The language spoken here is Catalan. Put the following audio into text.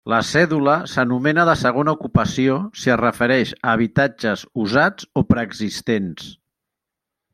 La cèdula s’anomena de segona ocupació si es refereix a habitatges usats o preexistents.